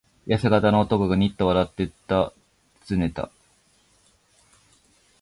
やせ型の男がニヤッと笑ってたずねた。